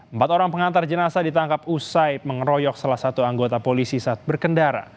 empat orang pengantar jenasa ditangkap usai mengeroyok salah satu anggota polisi saat berkendara